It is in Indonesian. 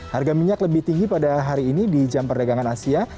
harga minyak lebih tinggi pada hari ini di jam perdagangan asia